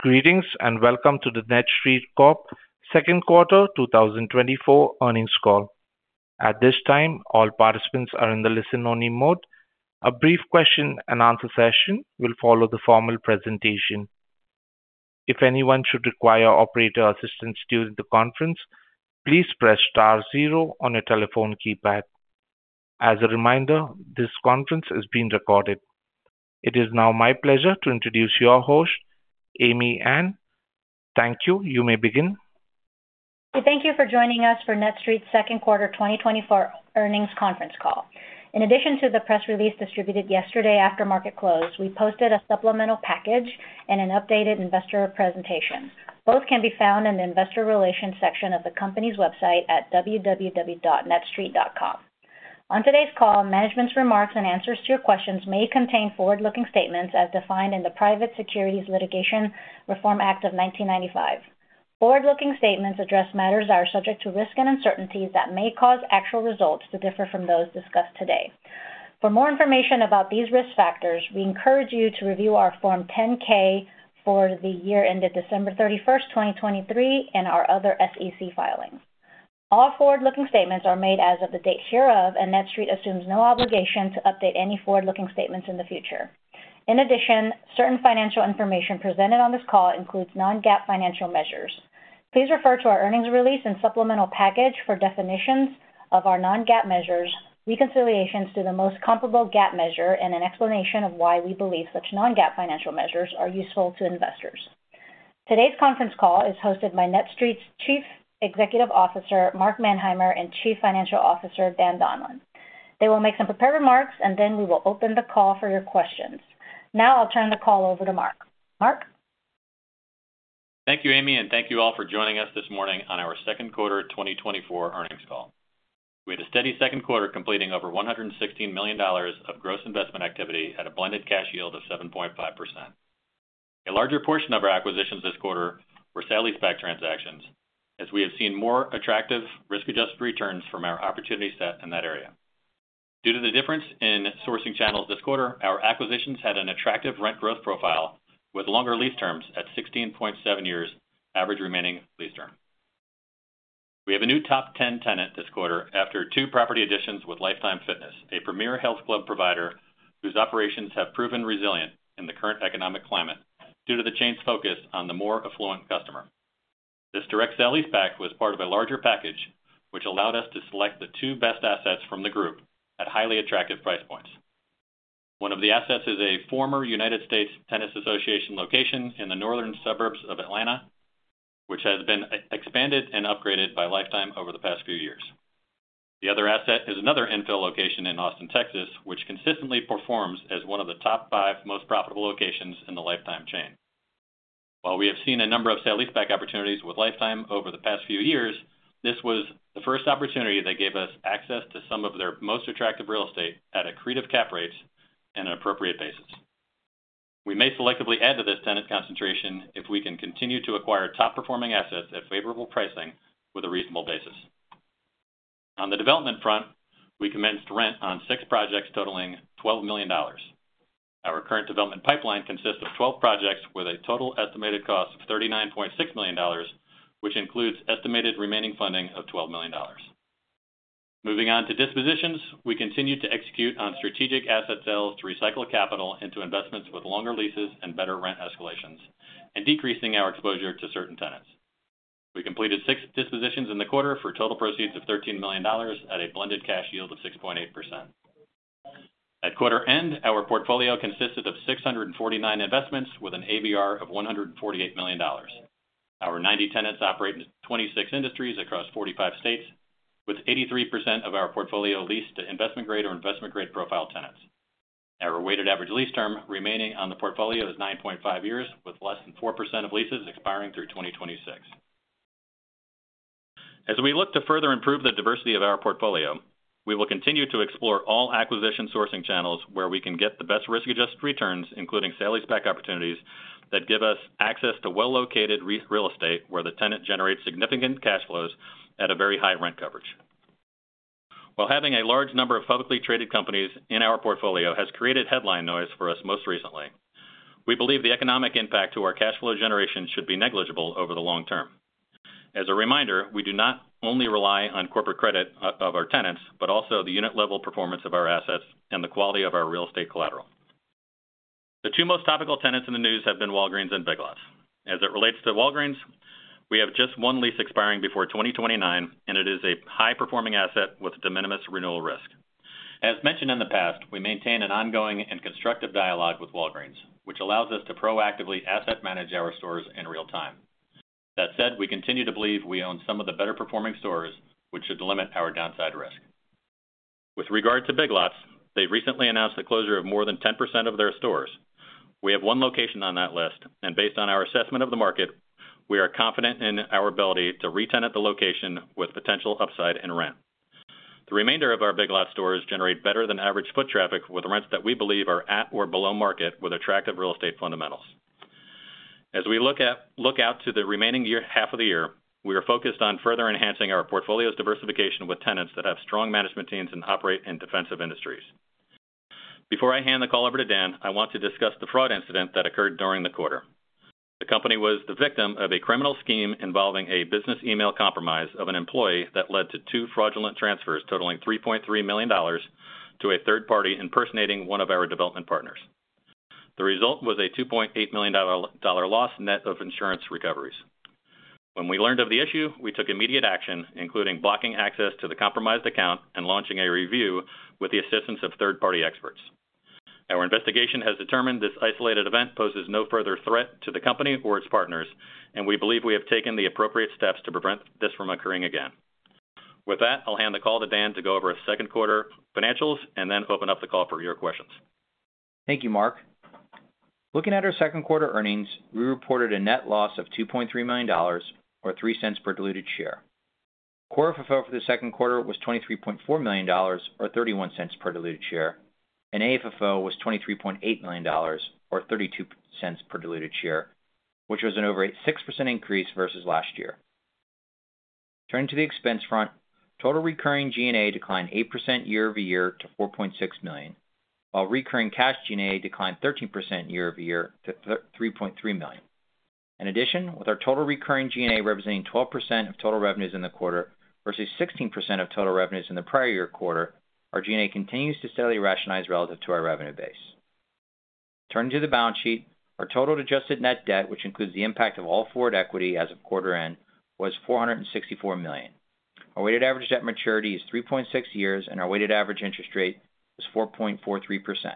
Greetings, and welcome to the NETSTREIT Corp second quarter 2024 earnings call. At this time, all participants are in the listen-only mode. A brief question and answer session will follow the formal presentation. If anyone should require operator assistance during the conference, please press star zero on your telephone keypad. As a reminder, this conference is being recorded. It is now my pleasure to introduce your host, Amy An. Thank you. You may begin. Thank you for joining us for NETSTREIT's second quarter 2024 earnings conference call. In addition to the press release distributed yesterday after market close, we posted a supplemental package and an updated investor presentation. Both can be found in the investor relations section of the company's website at www.netstreit.com. On today's call, management's remarks and answers to your questions may contain forward-looking statements as defined in the Private Securities Litigation Reform Act of 1995. Forward-looking statements address matters that are subject to risks and uncertainties that may cause actual results to differ from those discussed today. For more information about these risk factors, we encourage you to review our Form 10-K for the year ended December 31st, 2023, and our other SEC filings. All forward-looking statements are made as of the date hereof, and NETSTREIT assumes no obligation to update any forward-looking statements in the future. In addition, certain financial information presented on this call includes non-GAAP financial measures. Please refer to our earnings release and supplemental package for definitions of our non-GAAP measures, reconciliations to the most comparable GAAP measure, and an explanation of why we believe such non-GAAP financial measures are useful to investors. Today's conference call is hosted by NETSTREIT's Chief Executive Officer, Mark Manheimer, and Chief Financial Officer, Dan Donlan. They will make some prepared remarks, and then we will open the call for your questions. Now I'll turn the call over to Mark. Mark? Thank you, Amy, and thank you all for joining us this morning on our second quarter 2024 earnings call. We had a steady second quarter, completing over $116 million of gross investment activity at a blended cash yield of 7.5%. A larger portion of our acquisitions this quarter were sale-leaseback transactions, as we have seen more attractive risk-adjusted returns from our opportunity set in that area. Due to the difference in sourcing channels this quarter, our acquisitions had an attractive rent growth profile, with longer lease terms at 16.7 years average remaining lease term. We have a new top 10 tenant this quarter after two property additions with Life Time Fitness, a premier health club provider whose operations have proven resilient in the current economic climate due to the chain's focus on the more affluent customer. This direct sale-leaseback was part of a larger package, which allowed us to select the two best assets from the group at highly attractive price points. One of the assets is a former United States Tennis Association location in the northern suburbs of Atlanta, which has been expanded and upgraded by Life Time over the past few years. The other asset is another infill location in Austin, Texas, which consistently performs as one of the top five most profitable locations in the Life Time chain. While we have seen a number of sale-leaseback opportunities with Life Time over the past few years, this was the first opportunity that gave us access to some of their most attractive real estate at accretive cap rates and an appropriate basis. We may selectively add to this tenant concentration if we can continue to acquire top-performing assets at favorable pricing with a reasonable basis. On the development front, we commenced rent on six projects totaling $12 million. Our current development pipeline consists of 12 projects with a total estimated cost of $39.6 million, which includes estimated remaining funding of $12 million. Moving on to dispositions, we continue to execute on strategic asset sales to recycle capital into investments with longer leases and better rent escalations, and decreasing our exposure to certain tenants. We completed six dispositions in the quarter for total proceeds of $13 million at a blended cash yield of 6.8%. At quarter end, our portfolio consisted of 649 investments, with an ABR of $148 million. Our 90 tenants operate in 26 industries across 45 states, with 83% of our portfolio leased to investment-grade or investment-grade profile tenants. Our weighted average lease term remaining on the portfolio is 9.5 years, with less than 4% of leases expiring through 2026. As we look to further improve the diversity of our portfolio, we will continue to explore all acquisition sourcing channels where we can get the best risk-adjusted returns, including sale-leaseback opportunities, that give us access to well-located real estate, where the tenant generates significant cash flows at a very high rent coverage. While having a large number of publicly traded companies in our portfolio has created headline noise for us most recently, we believe the economic impact to our cash flow generation should be negligible over the long term. As a reminder, we do not only rely on corporate credit of our tenants, but also the unit-level performance of our assets and the quality of our real estate collateral. The two most topical tenants in the news have been Walgreens and Big Lots. As it relates to Walgreens, we have just one lease expiring before 2029, and it is a high-performing asset with de minimis renewal risk. As mentioned in the past, we maintain an ongoing and constructive dialogue with Walgreens, which allows us to proactively asset manage our stores in real time. That said, we continue to believe we own some of the better-performing stores, which should limit our downside risk. With regard to Big Lots, they recently announced the closure of more than 10% of their stores. We have one location on that list, and based on our assessment of the market, we are confident in our ability to retenant the location with potential upside in rent. The remainder of our Big Lots stores generate better than average foot traffic, with rents that we believe are at or below market, with attractive real estate fundamentals. As we look out to the remaining half of the year, we are focused on further enhancing our portfolio's diversification with tenants that have strong management teams and operate in defensive industries. Before I hand the call over to Dan, I want to discuss the fraud incident that occurred during the quarter. The company was the victim of a criminal scheme involving a business email compromise of an employee that led to two fraudulent transfers totaling $3.3 million to a third party impersonating one of our development partners. The result was a $2.8 million dollar loss net of insurance recoveries. When we learned of the issue, we took immediate action, including blocking access to the compromised account and launching a review with the assistance of third-party experts. Our investigation has determined this isolated event poses no further threat to the company or its partners, and we believe we have taken the appropriate steps to prevent this from occurring again. With that, I'll hand the call to Dan to go over our second quarter financials and then open up the call for your questions. Thank you, Mark. Looking at our second quarter earnings, we reported a net loss of $2.3 million, or $0.03 per diluted share. Core FFO for the second quarter was $23.4 million, or $0.31 per diluted share, and AFFO was $23.8 million, or $0.32 per diluted share, which was an over 6% increase versus last year. Turning to the expense front, total recurring G&A declined 8% year-over-year to $4.6 million, while recurring cash G&A declined 13% year-over-year to $3.3 million. In addition, with our total recurring G&A representing 12% of total revenues in the quarter versus 16% of total revenues in the prior year quarter, our G&A continues to steadily rationalize relative to our revenue base. Turning to the balance sheet, our total adjusted net debt, which includes the impact of all forward equity as of quarter end, was $464 million. Our weighted average debt maturity is 3.6 years, and our weighted average interest rate is 4.43%.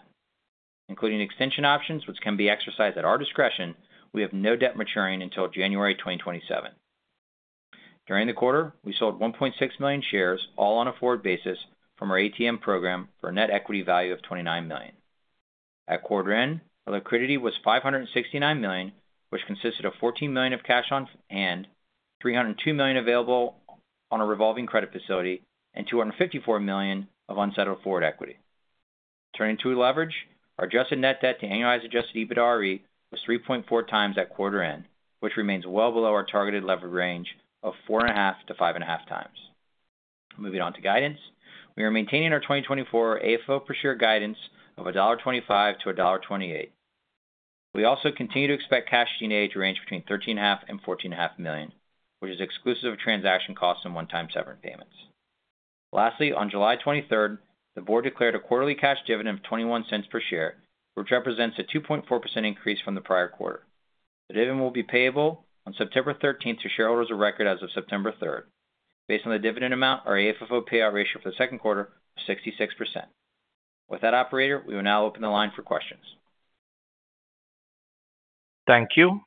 Including extension options, which can be exercised at our discretion, we have no debt maturing until January 2027. During the quarter, we sold 1.6 million shares, all on a forward basis, from our ATM program for a net equity value of $29 million. At quarter end, our liquidity was $569 million, which consisted of $14 million of cash on hand, $302 million available on a revolving credit facility, and $254 million of unsettled forward equity. Turning to leverage, our adjusted net debt to annualized adjusted EBITDAre was 3.4x at quarter end, which remains well below our targeted levered range of 4.5x-5.5x. Moving on to guidance. We are maintaining our 2024 AFFO per share guidance of $1.25-$1.28. We also continue to expect cash G&A to range between $13.5 million-$14.5 million, which is exclusive of transaction costs and one-time severance payments. Lastly, on July 23rd, the board declared a quarterly cash dividend of $0.21 per share, which represents a 2.4% increase from the prior quarter. The dividend will be payable on September 13th to shareholders of record as of September 3rd. Based on the dividend amount, our AFFO payout ratio for the second quarter is 66%. With that, operator, we will now open the line for questions. Thank you.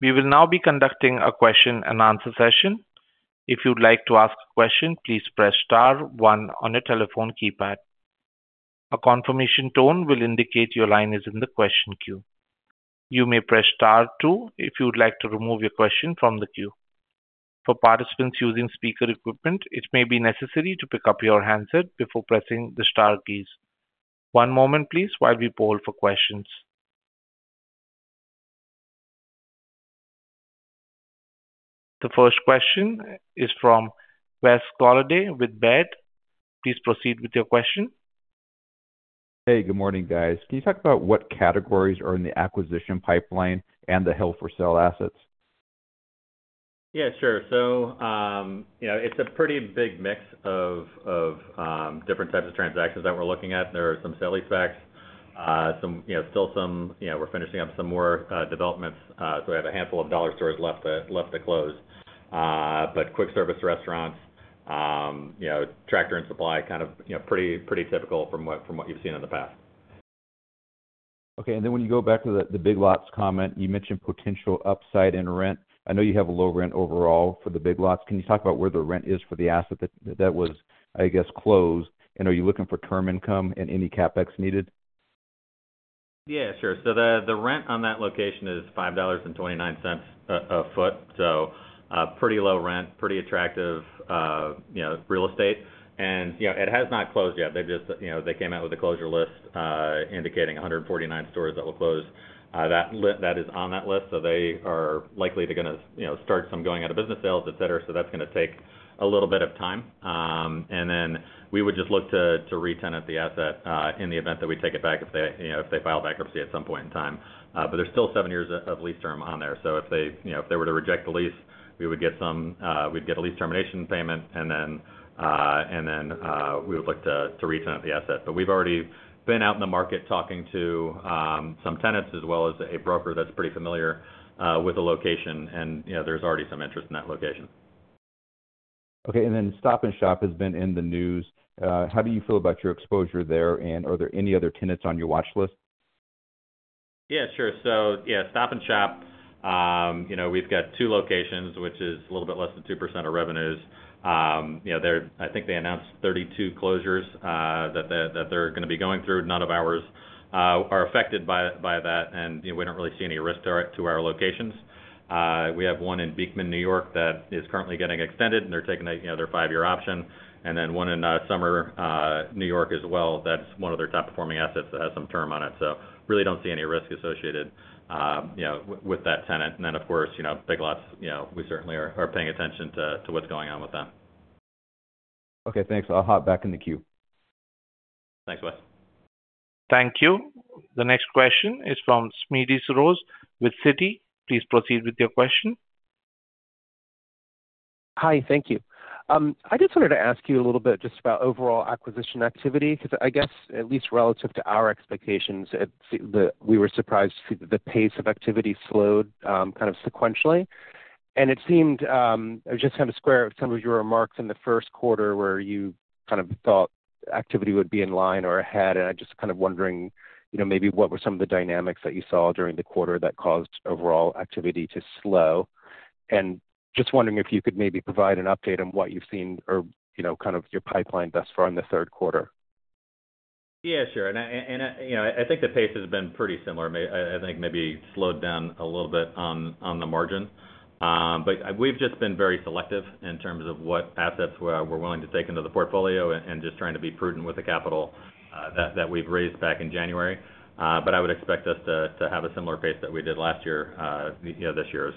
We will now be conducting a question and answer session. If you'd like to ask a question, please press star one on your telephone keypad. A confirmation tone will indicate your line is in the question queue. You may press star two if you'd like to remove your question from the queue. For participants using speaker equipment, it may be necessary to pick up your handset before pressing the star keys. One moment, please, while we poll for questions. The first question is from Wes Golladay with Baird. Please proceed with your question. Hey, good morning, guys. Can you talk about what categories are in the acquisition pipeline and the deal for sale assets? Yeah, sure. So, you know, it's a pretty big mix of, of, different types of transactions that we're looking at. There are some sale-leasebacks, some, you know, still some, you know, we're finishing up some more, developments. So we have a handful of dollar stores left to, left to close. But quick service restaurants, you know, Tractor and Supply, kind of, you know, pretty, pretty typical from what, from what you've seen in the past. Okay, and then when you go back to the Big Lots comment, you mentioned potential upside in rent. I know you have a low rent overall for the Big Lots. Can you talk about where the rent is for the asset that was, I guess, closed? And are you looking for term income and any CapEx needed? Yeah, sure. So the rent on that location is $5.29 foot, so pretty low rent, pretty attractive, you know, real estate. And, you know, it has not closed yet. They just, you know, they came out with a closure list indicating 149 stores that will close. That is on that list, so they are likely to gonna, you know, start some going out-of-business sales, et cetera, so that's gonna take a little bit of time. And then we would just look to re-tenant the asset in the event that we take it back if they, you know, if they file bankruptcy at some point in time. But there's still seven years of lease term on there. So if they, you know, if they were to reject the lease, we would get some, we'd get a lease termination payment, and then we would look to re-tenant the asset. But we've already been out in the market talking to some tenants, as well as a broker that's pretty familiar with the location, and, you know, there's already some interest in that location. Okay, and then Stop & Shop has been in the news. How do you feel about your exposure there, and are there any other tenants on your watchlist? Yeah, sure. So yeah, Stop & Shop, you know, we've got two locations, which is a little bit less than 2% of revenues. You know, they're—I think they announced 32 closures that they're gonna be going through. None of ours are affected by that, and, you know, we don't really see any risk to our locations. We have one in Beekman, New York, that is currently getting extended, and they're taking, you know, their five-year option, and then one in Somers, New York as well. That's one of their top-performing assets that has some term on it. So really don't see any risk associated, you know, with that tenant. And then, of course, you know, Big Lots, you know, we certainly are paying attention to what's going on with them. Okay, thanks. I'll hop back in the queue. Thanks, bye. Thank you. The next question is from Smedes Rose with Citi. Please proceed with your question. Hi, thank you. I just wanted to ask you a little bit just about overall acquisition activity, 'cause I guess, at least relative to our expectations, we were surprised to see that the pace of activity slowed, kind of sequentially. And it seemed, I was just trying to square some of your remarks in the first quarter, where you kind of thought activity would be in line or ahead. And I'm just kind of wondering, you know, maybe what were some of the dynamics that you saw during the quarter that caused overall activity to slow? And just wondering if you could maybe provide an update on what you've seen or, you know, kind of your pipeline thus far in the third quarter. Yeah, sure. You know, I think the pace has been pretty similar. I think maybe slowed down a little bit on the margin. But we've just been very selective in terms of what assets we're willing to take into the portfolio and just trying to be prudent with the capital that we've raised back in January. But I would expect us to have a similar pace that we did last year, you know, this year,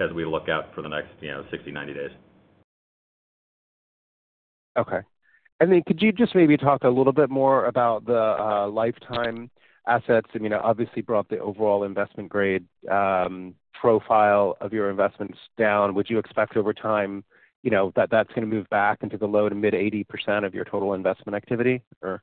as we look out for the next, you know, 60, 90 days. Okay. And then could you just maybe talk a little bit more about the Life Time assets? I mean, obviously brought the overall investment grade profile of your investments down. Would you expect over time, you know, that that's going to move back into the low to mid 80% of your total investment activity or?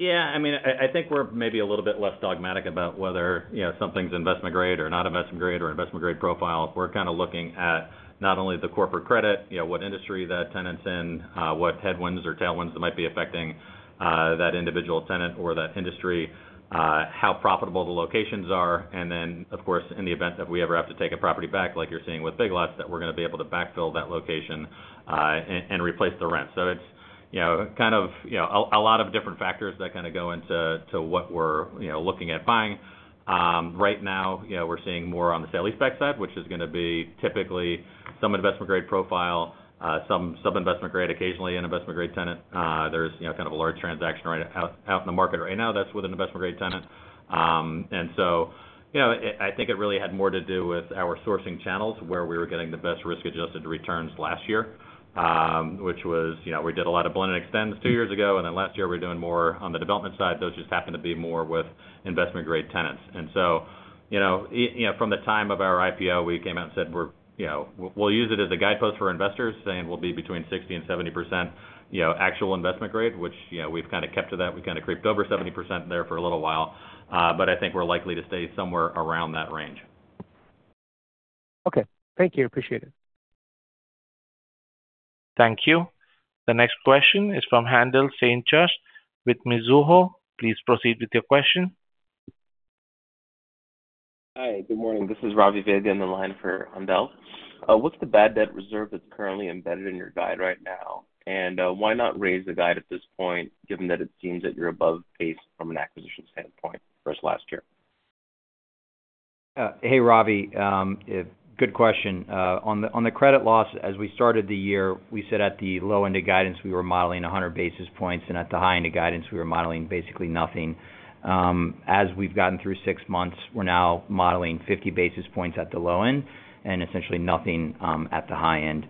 Yeah, I mean, I think we're maybe a little bit less dogmatic about whether, you know, something's investment grade or not investment grade, or investment grade profile. We're kind of looking at not only the corporate credit, you know, what industry that tenant's in, what headwinds or tailwinds that might be affecting that individual tenant or that industry, how profitable the locations are. And then, of course, in the event that we ever have to take a property back, like you're seeing with Big Lots, that we're going to be able to backfill that location and replace the rent. So it's, you know, kind of a lot of different factors that kind of go into what we're, you know, looking at buying. Right now, you know, we're seeing more on the sale-leaseback side, which is going to be typically some investment-grade profile, some sub-investment grade, occasionally an investment-grade tenant. There's, you know, kind of a large transaction right in the market right now that's with an investment-grade tenant. And so, you know, I think it really had more to do with our sourcing channels, where we were getting the best risk-adjusted returns last year, which was, you know, we did a lot of blend and extend two years ago, and then last year we were doing more on the development side. Those just happened to be more with investment-grade tenants. And so, you know, from the time of our IPO, we came out and said, we're, you know, we'll, we'll use it as a guidepost for investors, saying we'll be between 60% and 70%, you know, actual investment grade, which, you know, we've kind of kept to that. We kind of creeped over 70% there for a little while, but I think we're likely to stay somewhere around that range. Okay. Thank you. Appreciate it. Thank you. The next question is from Haendel St. Juste with Mizuho. Please proceed with your question. Hi, good morning. This is Ravi Vaidya on the line for Haendel. What's the bad debt reserve that's currently embedded in your guide right now? And, why not raise the guide at this point, given that it seems that you're above pace from an acquisition standpoint versus last year? Hey, Ravi, good question. On the credit loss, as we started the year, we said at the low end of guidance, we were modeling 100 basis points, and at the high end of guidance, we were modeling basically nothing. As we've gotten through six months, we're now modeling 50 basis points at the low end and essentially nothing at the high end.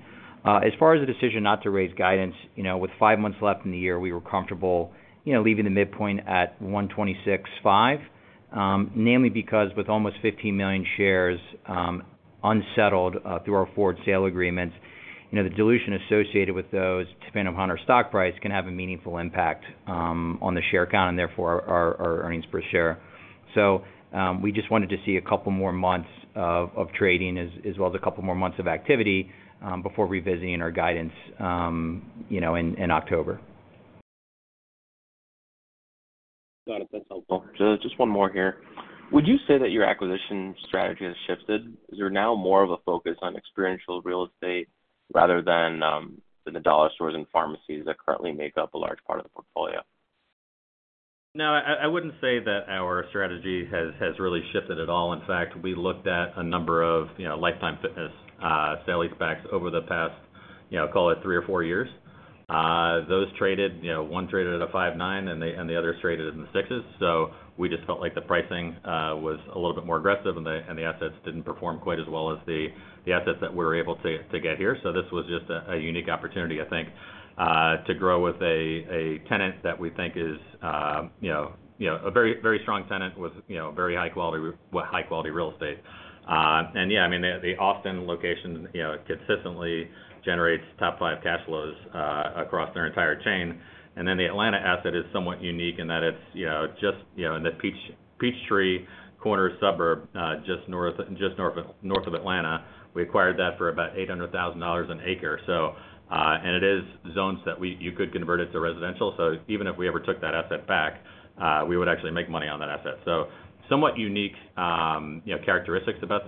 As far as the decision not to raise guidance, you know, with five months left in the year, we were comfortable, you know, leaving the midpoint at $1.265, namely because with almost 15 million shares unsettled through our forward sale agreements, you know, the dilution associated with those, depending on our stock price, can have a meaningful impact on the share count and therefore our earnings per share. We just wanted to see a couple more months of trading, as well as a couple more months of activity, before revisiting our guidance, you know, in October. Got it. That's helpful. Just, just one more here. Would you say that your acquisition strategy has shifted? Is there now more of a focus on experiential real estate rather than the dollar stores and pharmacies that currently make up a large part of the portfolio? No, I wouldn't say that our strategy has really shifted at all. In fact, we looked at a number of, you know, Life Time sale-leasebacks over the past, you know, call it three or four years. Those traded, you know, one traded at a five nine, and the other traded in the sixes. So we just felt like the pricing was a little bit more aggressive and the assets didn't perform quite as well as the assets that we were able to get here. So this was just a unique opportunity, I think, to grow with a tenant that we think is, you know, you know, a very, very strong tenant with, you know, very high quality, with high quality real estate. And yeah, I mean, the Austin location, you know, consistently generates top five cash flows across their entire chain. And then the Atlanta asset is somewhat unique in that it's, you know, just, you know, in the Peachtree Corners suburb, just north of Atlanta. We acquired that for about $800,000 an acre. And it is zoned so that you could convert it to residential. So even if we ever took that asset back, we would actually make money on that asset. So somewhat unique, you know, characteristics about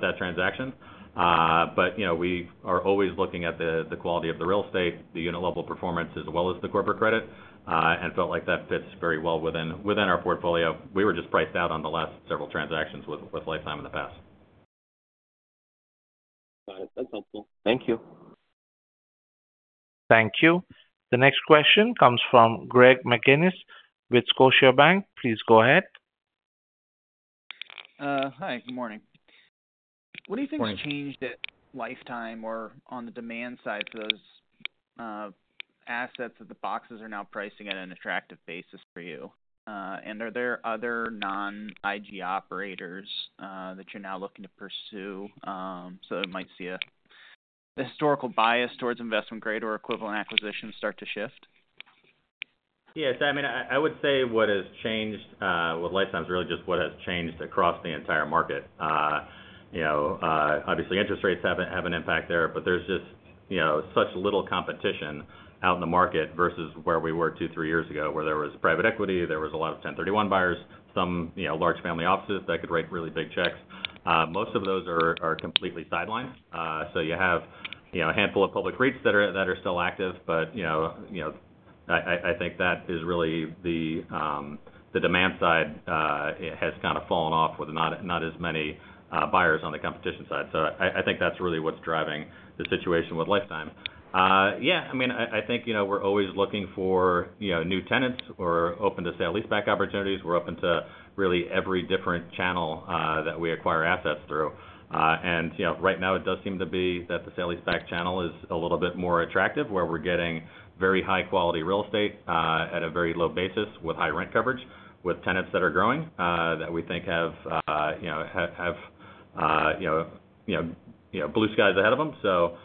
that transaction. But, you know, we are always looking at the quality of the real estate, the unit level performance, as well as the corporate credit, and felt like that fits very well within our portfolio. We were just priced out on the last several transactions with Life Time in the past. Got it. That's helpful. Thank you. Thank you. The next question comes from Greg McGinniss with Scotiabank. Please go ahead. Hi, good morning. Morning. What do you think has changed at Life Time or on the demand side for those assets that the boxes are now pricing at an attractive basis for you? And are there other non-IG operators that you're now looking to pursue, so it might see a historical bias towards investment grade or equivalent acquisitions start to shift? Yeah, so I mean, I would say what has changed with Life Time is really just what has changed across the entire market. You know, obviously, interest rates have an impact there, but there's just, you know, such little competition out in the market versus where we were two, three years ago, where there was private equity, there was a lot of 1031 buyers, some, you know, large family offices that could write really big checks. Most of those are completely sidelined. So you have, you know, a handful of public REITs that are still active, but, you know, I think that is really the demand side, it has kind of fallen off with not as many buyers on the competition side. So I think that's really what's driving the situation with Life Time. Yeah, I mean, I think, you know, we're always looking for, you know, new tenants. We're open to sale-leaseback opportunities. We're open to really every different channel that we acquire assets through. And you know, right now it does seem to be that the sale-leaseback channel is a little bit more attractive, where we're getting very high-quality real estate at a very low basis, with high rent coverage, with tenants that are growing that we think have, you know, have blue skies ahead of them. So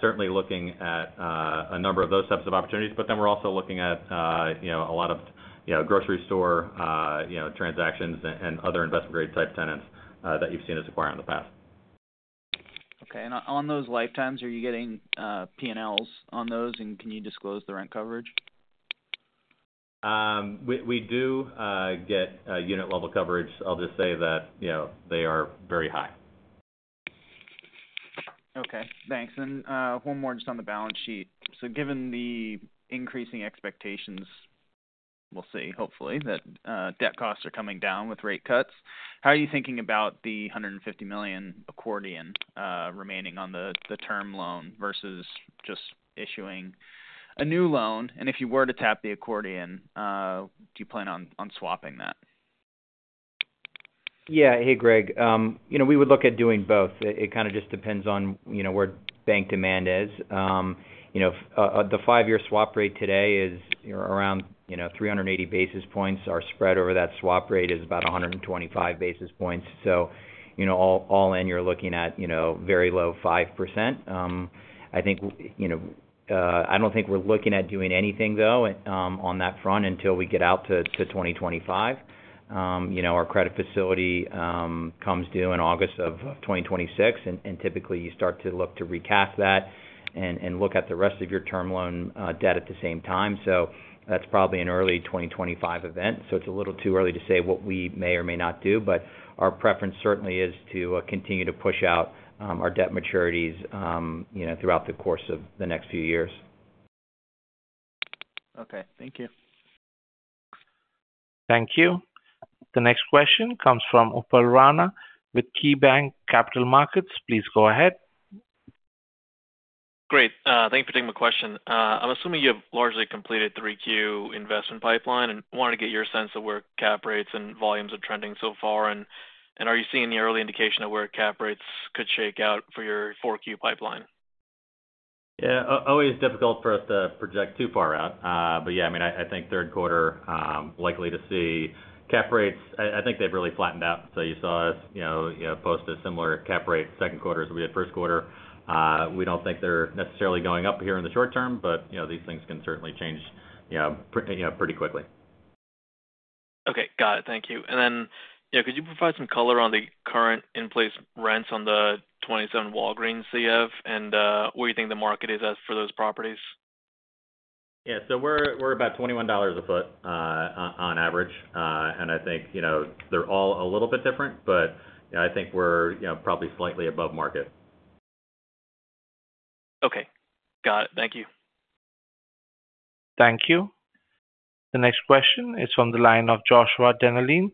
certainly looking at a number of those types of opportunities. But then we're also looking at, you know, a lot of, you know, grocery store, you know, transactions and other investment grade type tenants that you've seen us acquire in the past. Okay. And on those Life Times, are you getting PNLs on those? And can you disclose the rent coverage? We do get unit level coverage. I'll just say that, you know, they are very high. Okay, thanks. And, one more just on the balance sheet. So given the increasing expectations, we'll see, hopefully, that, debt costs are coming down with rate cuts, how are you thinking about the $150 million accordion remaining on the, the term loan versus just issuing a new loan? And if you were to tap the accordion, do you plan on, on swapping that? Yeah. Hey, Greg. You know, we would look at doing both. It kind of just depends on, you know, where bank demand is. You know, the five-year swap rate today is, you know, around 380 basis points. Our spread over that swap rate is about 125 basis points. So, you know, all in, you're looking at, you know, very low 5%. I think, you know, I don't think we're looking at doing anything, though, on that front, until we get out to 2025. You know, our credit facility comes due in August of 2026, and typically you start to look to recast that and look at the rest of your term loan debt at the same time. So that's probably an early 2025 event. So it's a little too early to say what we may or may not do, but our preference certainly is to continue to push out our debt maturities, you know, throughout the course of the next few years. Okay, thank you. Thank you. The next question comes from Upal Rana with KeyBanc Capital Markets. Please go ahead. Great. Thank you for taking my question. I'm assuming you have largely completed 3Q investment pipeline and wanted to get your sense of where cap rates and volumes are trending so far. And, are you seeing the early indication of where cap rates could shake out for your 4Q pipeline? Yeah, always difficult for us to project too far out. But yeah, I mean, I think third quarter likely to see cap rates. I think they've really flattened out. So you saw us, you know, you know, post a similar cap rate, second quarter as we had first quarter. We don't think they're necessarily going up here in the short term, but, you know, these things can certainly change, you know, pretty quickly. Okay, got it. Thank you. And then, you know, could you provide some color on the current in-place rents on the 27 Walgreens that you have and where you think the market is as for those properties? Yeah, so we're about $21 a foot on average. And I think, you know, they're all a little bit different, but, you know, I think we're, you know, probably slightly above market. Okay. Got it. Thank you. Thank you. The next question is from the line of Joshua Dennerlein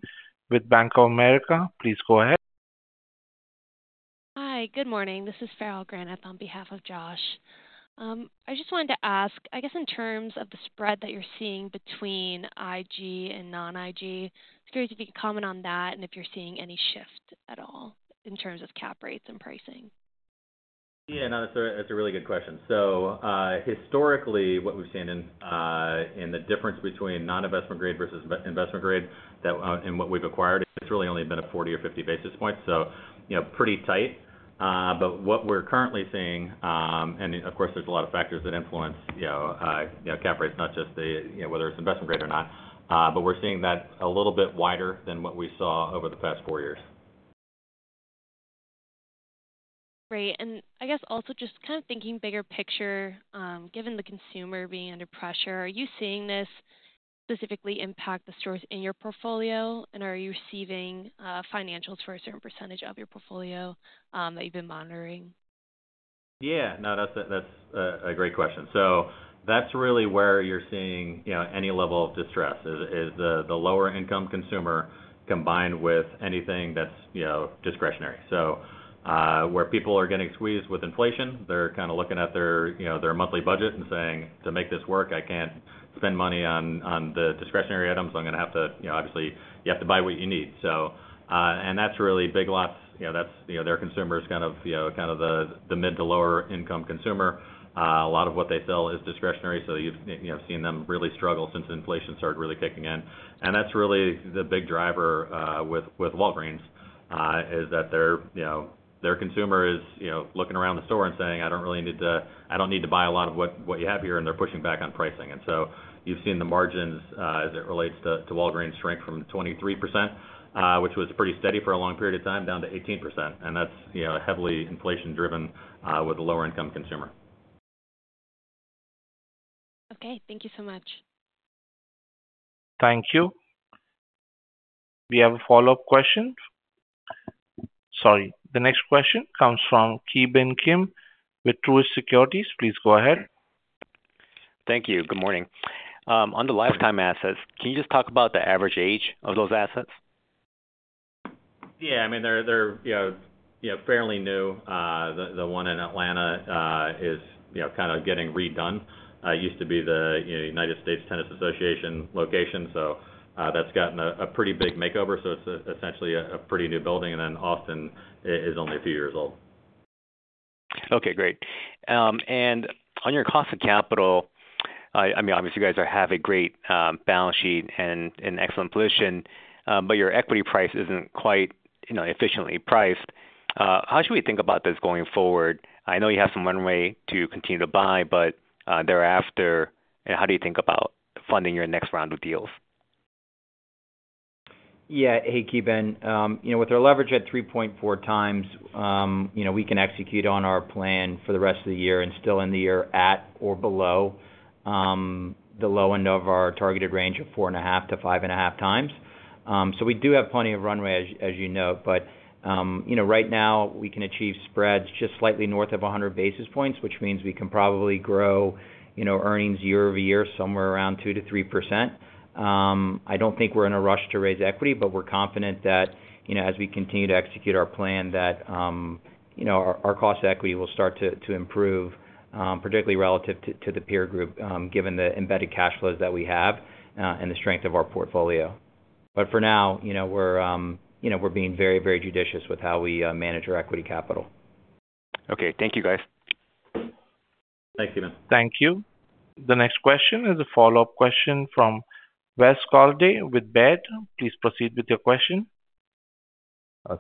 with Bank of America. Please go ahead. Hi, good morning. This is Farrell Granath on behalf of Josh. I just wanted to ask, I guess, in terms of the spread that you're seeing between IG and non-IG, just curious if you could comment on that and if you're seeing any shift at all in terms of cap rates and pricing. Yeah, no, that's a really good question. So, historically, what we've seen in, in the difference between non-investment grade versus investment grade, that, in what we've acquired, it's really only been a 40 basis points or 50 basis points, so, you know, pretty tight. But what we're currently seeing, and of course, there's a lot of factors that influence, you know, you know, cap rate, not just the, you know, whether it's investment grade or not. But we're seeing that a little bit wider than what we saw over the past four years. Great. And I guess also just kind of thinking bigger picture, given the consumer being under pressure, are you seeing this specifically impact the stores in your portfolio? And are you receiving, financials for a certain percentage of your portfolio, that you've been monitoring? Yeah, no, that's a great question. So that's really where you're seeing, you know, any level of distress, is the lower income consumer combined with anything that's, you know, discretionary. So, where people are getting squeezed with inflation, they're kind of looking at their, you know, their monthly budget and saying, "To make this work, I can't spend money on the discretionary items. So I'm gonna have to..." You know, obviously, you have to buy what you need. So, and that's really Big Lots, you know, that's, you know, their consumer is kind of, you know, kind of the mid to lower income consumer. A lot of what they sell is discretionary, so you've, you know, seen them really struggle since inflation started really kicking in. And that's really the big driver with Walgreens is that their, you know, their consumer is, you know, looking around the store and saying, "I don't need to buy a lot of what you have here," and they're pushing back on pricing. And so you've seen the margins as it relates to Walgreens shrink from 23%, which was pretty steady for a long period of time, down to 18%, and that's, you know, heavily inflation driven with a lower-income consumer. Okay, thank you so much. Thank you. We have a follow-up question. Sorry, the next question comes from Ki Bin Kim with Truist Securities. Please go ahead. Thank you. Good morning. On the Life Time assets, can you just talk about the average age of those assets? Yeah, I mean, they're you know, you know, fairly new. The one in Atlanta is, you know, kind of getting redone. It used to be the you know, United States Tennis Association location, so that's gotten a pretty big makeover, so it's essentially a pretty new building, and then Austin is only a few years old. Okay, great. And on your cost of capital, I mean, obviously, you guys are have a great balance sheet and an excellent position, but your equity price isn't quite, you know, efficiently priced. How should we think about this going forward? I know you have some runway to continue to buy, but thereafter, how do you think about funding your next round of deals? Yeah. Hey, Ki Bin. You know, with our leverage at 3.4x, you know, we can execute on our plan for the rest of the year and still end the year at or below the low end of our targeted range of 4.5x-5.5x. So we do have plenty of runway, as you know, but you know, right now, we can achieve spreads just slightly north of 100 basis points, which means we can probably grow, you know, earnings year-over-year, somewhere around 2%-3%. I don't think we're in a rush to raise equity, but we're confident that, you know, as we continue to execute our plan, that you know, our cost to equity will start to improve, particularly relative to the peer group, given the embedded cash flows that we have, and the strength of our portfolio. But for now, you know, we're being very, very judicious with how we manage our equity capital. Okay. Thank you, guys. Thank you, man. Thank you. The next question is a follow-up question from Wes Golladay with Baird. Please proceed with your question.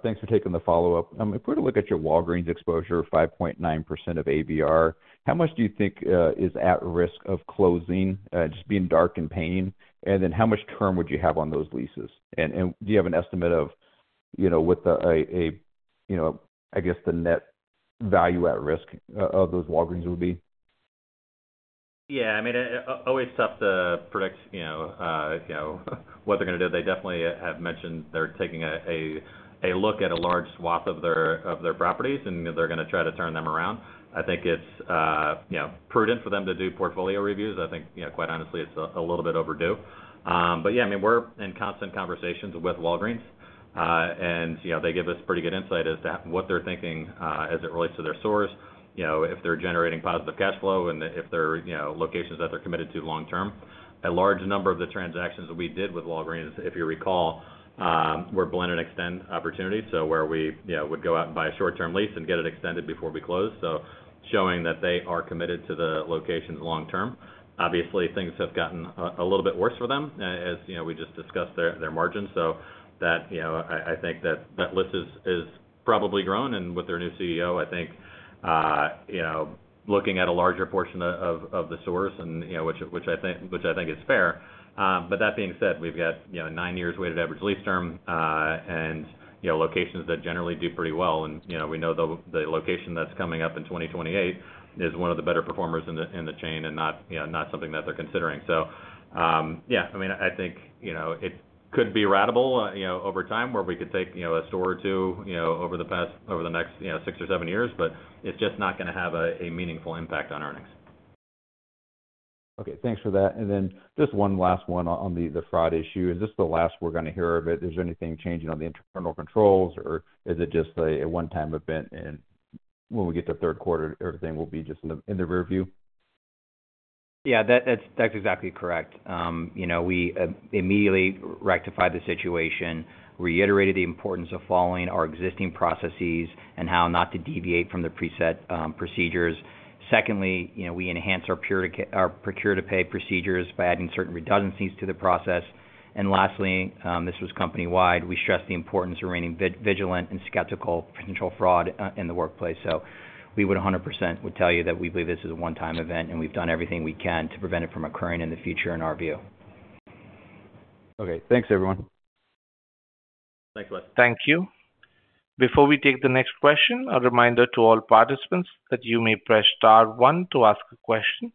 Thanks for taking the follow-up. If we're to look at your Walgreens exposure, 5.9% of ABR, how much do you think is at risk of closing, just being dark and vacant? And then how much term would you have on those leases? And do you have an estimate of, you know, what the, you know, I guess, the net value at risk of those Walgreens would be? Yeah, I mean, always tough to predict, you know, you know, what they're gonna do. They definitely have mentioned they're taking a look at a large swath of their properties, and they're gonna try to turn them around. I think it's, you know, prudent for them to do portfolio reviews. I think, you know, quite honestly, it's a little bit overdue. But yeah, I mean, we're in constant conversations with Walgreens. And, you know, they give us pretty good insight as to what they're thinking, as it relates to their stores. You know, if they're generating positive cash flow and if they're, you know, locations that they're committed to long term. A large number of the transactions that we did with Walgreens, if you recall, were blend-and-extend opportunities, so where we, you know, would go out and buy a short-term lease and get it extended before we closed. So showing that they are committed to the locations long term. Obviously, things have gotten a little bit worse for them, as you know, we just discussed their margins. So that, you know, I think that that list is probably grown, and with their new CEO, I think, you know, looking at a larger portion of the stores and, you know, which I think is fair. But that being said, we've got, you know, nine years weighted average lease term, and, you know, locations that generally do pretty well. And, you know, we know the location that's coming up in 2028 is one of the better performers in the chain and not, you know, not something that they're considering. So, yeah, I mean, I think, you know, it could be ratable, you know, over time, where we could take, you know, a store or two, you know, over the next, you know, six or seven years, but it's just not gonna have a meaningful impact on earnings. Okay, thanks for that. Then just one last one on the fraud issue. Is this the last we're gonna hear of it? Is there anything changing on the internal controls, or is it just a one-time event, and when we get to the third quarter, everything will be just in the rearview? Yeah, that's exactly correct. You know, we immediately rectified the situation, reiterated the importance of following our existing processes and how not to deviate from the preset procedures. Secondly, you know, we enhanced our procure-to-pay procedures by adding certain redundancies to the process. And lastly, this was company-wide, we stressed the importance of remaining vigilant and skeptical of potential fraud in the workplace. So we would 100% tell you that we believe this is a one-time event, and we've done everything we can to prevent it from occurring in the future, in our view. Okay. Thanks, everyone. Thanks. Thank you. Before we take the next question, a reminder to all participants that you may press star one to ask a question.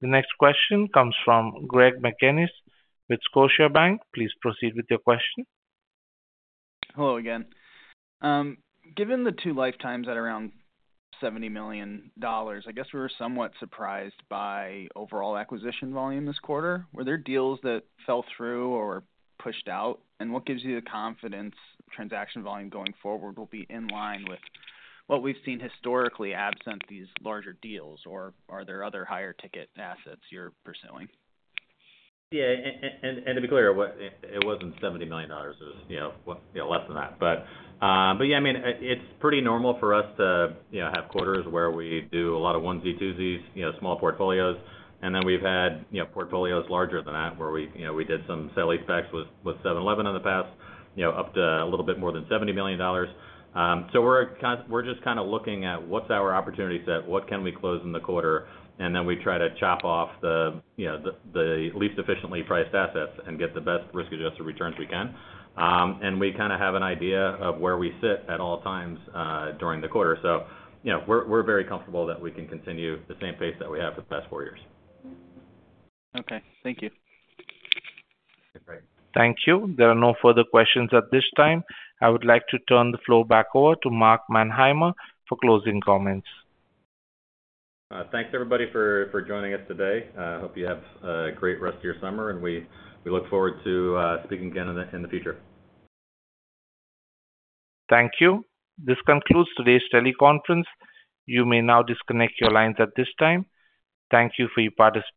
The next question comes from Greg McGinniss with Scotiabank. Please proceed with your question. Hello again. Given the two Life Times at around $70 million, I guess we were somewhat surprised by overall acquisition volume this quarter. Were there deals that fell through or pushed out? And what gives you the confidence, transaction volume going forward, will be in line with what we've seen historically, absent these larger deals, or are there other higher-ticket assets you're pursuing? Yeah, and to be clear, it wasn't $70 million. It was, you know, well, yeah, less than that. But yeah, I mean, it's pretty normal for us to, you know, have quarters where we do a lot of onesie-twosies, you know, small portfolios. And then we've had, you know, portfolios larger than that, where we, you know, we did some sale-leasebacks with 7-Eleven in the past, you know, up to a little bit more than $70 million. So we're kind of looking at what's our opportunity set, what can we close in the quarter, and then we try to chop off the, you know, the least efficiently priced assets and get the best risk-adjusted returns we can. We kind of have an idea of where we sit at all times during the quarter. So, you know, we're very comfortable that we can continue the same pace that we have for the past four years. Okay, thank you. Thanks, Greg. Thank you. There are no further questions at this time. I would like to turn the floor back over to Mark Manheimer for closing comments. Thanks, everybody, for joining us today. I hope you have a great rest of your summer, and we look forward to speaking again in the future. Thank you. This concludes today's teleconference. You may now disconnect your lines at this time. Thank you for your participation.